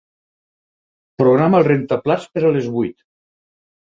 Programa el rentaplats per a les vuit.